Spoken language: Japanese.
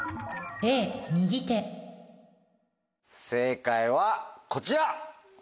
正解はこちら！